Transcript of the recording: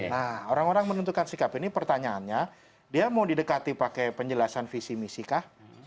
nah orang orang menentukan sikap ini pertanyaannya dia mau didekati pakai penjelasan visi misi kah